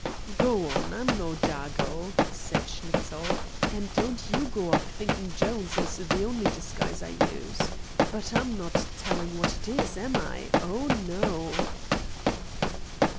"Go on, I'm no dago," said Schnitzel, "and don't you go off thinking 'Jones' is the only disguise I use. But I'm not tellin' what it is, am I? Oh, no."